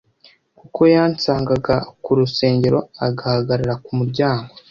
kuko yansaganga ku rusengero agahagarara ku muryango